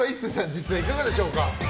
実際いかがでしょうか？